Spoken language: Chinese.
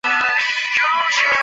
在场上的位置是防守型中场。